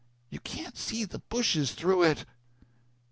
"_You can't see the bushes through it!